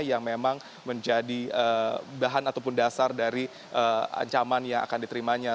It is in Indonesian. yang memang menjadi bahan ataupun dasar dari ancaman yang akan diterimanya